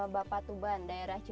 bapak tuban daerah cimanggu